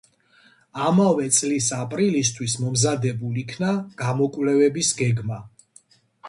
ამავე წლის აპრილისთვის მომზადებულ იქნა გამოკვლევების გეგმა.